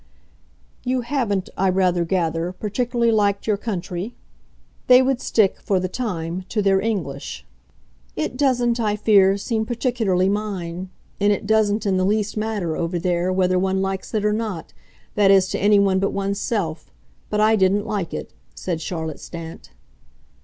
"You haven't, I rather gather, particularly liked your country?" They would stick, for the time, to their English. "It doesn't, I fear, seem particularly mine. And it doesn't in the least matter, over there, whether one likes it or not that is to anyone but one's self. But I didn't like it," said Charlotte Stant.